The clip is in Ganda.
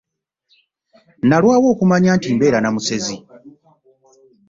Nalwawo okumanya nti mbeera na musezi.